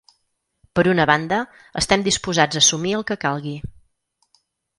Per una banda, estem disposats a assumir el que calgui.